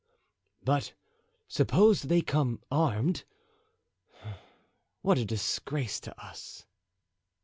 "But suppose they come unarmed? What a disgrace to us."